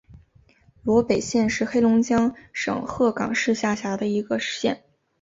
萝北县是黑龙江省鹤岗市下辖的一个县。